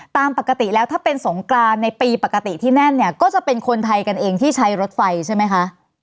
ตามปกติแล้วถ้าเป็นสงกรานในปีปกติที่แน่นเนี่ยก็จะเป็นคนไทยกันเองที่ใช้รถไฟใช่ไหมคะ